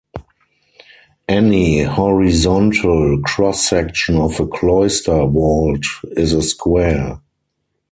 Any horizontal cross-section of a cloister vault is a square.